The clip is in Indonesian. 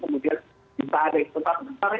kemudian kita ada